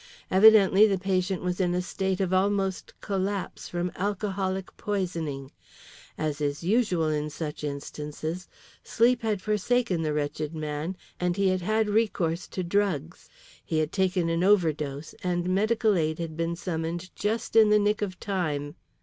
Evidently the patient was in a state of almost collapse from alcoholic poisoning. As is usual in such instances, sleep had forsaken the wretched man, and he had had recourse to drugs. He had taken an overdose and medical aid had been summoned just in the nick of time.